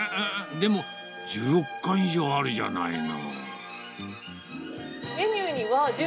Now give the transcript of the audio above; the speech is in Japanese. でも、１６貫以上あるじゃないの。